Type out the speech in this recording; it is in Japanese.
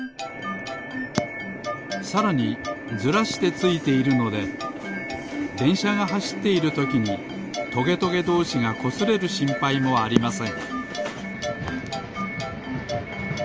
さらにずらしてついているのででんしゃがはしっているときにトゲトゲどうしがこすれるしんぱいもありません。